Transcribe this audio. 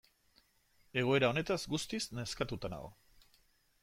Egoera honetaz guztiz nazkatuta nago.